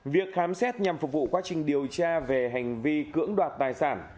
việc khám xét nhằm phục vụ quá trình điều tra về hành vi cưỡng đoạt tài sản